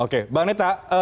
oke bang netta